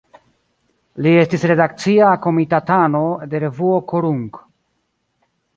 Li estis redakcia komitatano de revuo "Korunk".